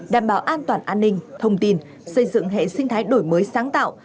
đảm bảo an toàn an ninh thông tin xây dựng hệ sinh thái đổi mới sáng tạo